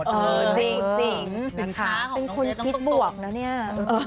จริงนะคะเป็นคนคิดบวกนะเนี่ย